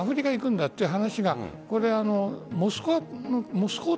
アフリカに行くという話が。